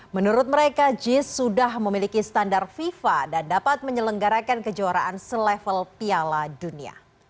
menurut mereka jis sudah memiliki standar fifa dan dapat menyelenggarakan kejuaraan selevel piala dunia